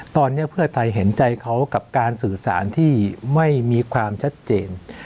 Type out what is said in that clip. ตอนนี้เพื่อไทยเห็นใจเขากับการสื่อสารที่ไม่มีความชัดเจน